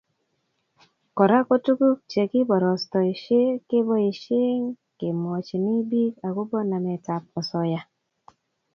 Kora ko tuguk che kiborostoishe keboisie kemwochine bik agobo nametab osoya